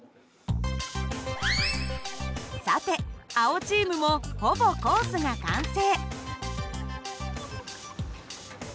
さて青チームもほぼコースが完成。